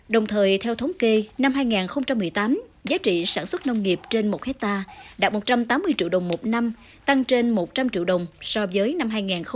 đồng thời theo thống kê năm hai nghìn một mươi tám giá trị sản xuất nông nghiệp trên một hectare đạt một trăm tám mươi triệu đồng một năm tăng trên một trăm linh triệu đồng so với năm hai nghìn một mươi bảy